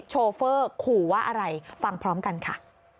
โชเฟอร์ขู่ว่าอะไรฟังพร้อมกันค่ะ